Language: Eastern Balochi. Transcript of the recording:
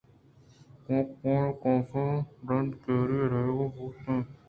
کمکار کاف ءِ رندگیری ءَ رہادگ بو ت اَنت